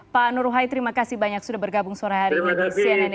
pak nur wahai terima kasih banyak sudah bergabung sore hari ini di cnn indonesia